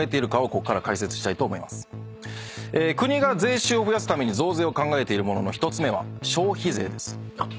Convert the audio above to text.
国が税収を増やすために増税を考えているものの１つ目は消費税です。